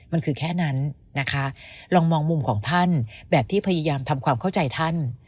มันคือแค่นั้นนะคะลองมองมุมของท่านแบบที่พยายามทำความเข้าใจท่าน